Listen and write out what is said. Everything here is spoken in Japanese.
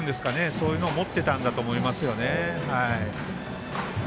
そういうのを持っていたんだと思うんですよね。